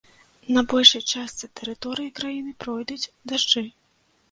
На большай частцы тэрыторыі краіны пройдуць дажджы.